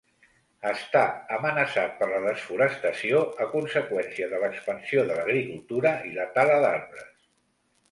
Està amenaçat per la desforestació a conseqüència de l'expansió de l'agricultura i la tala d'arbres.